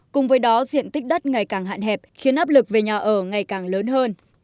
cùng với đó diện tích đất ngày càng hạn hẹp khiến áp lực về nhà ở ngày càng lớn hơn